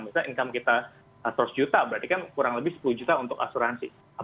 misalnya income kita seratus juta berarti kan kurang lebih sepuluh juta untuk asuransi